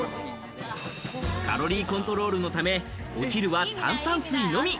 カロリーコントロールのため、お昼は炭酸水のみ。